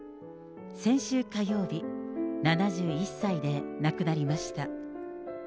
先週火曜日、７１歳で亡くなりました。